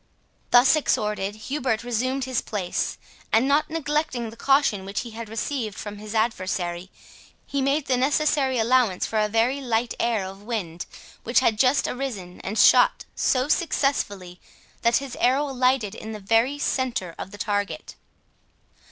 Thus exhorted, Hubert resumed his place, and not neglecting the caution which he had received from his adversary, he made the necessary allowance for a very light air of wind, which had just arisen, and shot so successfully that his arrow alighted in the very centre of the target.